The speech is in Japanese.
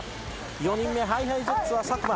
４人目ＨｉＨｉＪｅｔｓは作間。